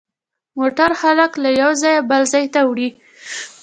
موټر خلک له یوه ځایه بل ته وړي.